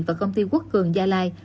và công ty quốc cường gia lai